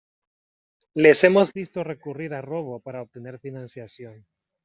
Les hemos visto recurrir a robo para obtener financiación.